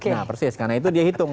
nah persis karena itu dia hitung